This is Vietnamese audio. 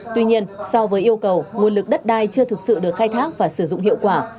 tuy nhiên so với yêu cầu nguồn lực đất đai chưa thực sự được khai thác và sử dụng hiệu quả